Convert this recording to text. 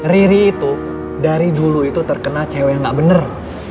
ri ri itu dari dulu itu terkena cewek yang gak bener